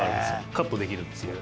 カットできるんですよね。